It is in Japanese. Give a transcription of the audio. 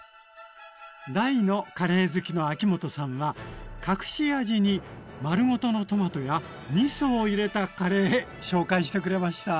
大のカレー好きの秋元さんは隠し味にまるごとのトマトやみそを入れたカレー紹介してくれました。